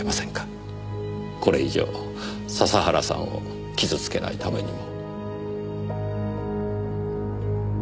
これ以上笹原さんを傷付けないためにも。